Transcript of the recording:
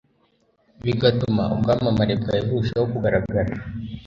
bigatuma ubwamamare bwawe burushaho kugaragara